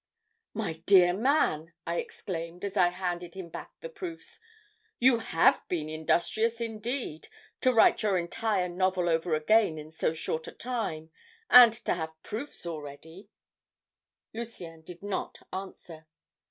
"'My dear man,' I exclaimed, as I handed him back the proofs. 'You HAVE been industrious indeed, to write your entire novel over again in so short a time and to have proofs already ' "Lucien did not answer.